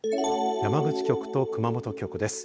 山口局と熊本局です。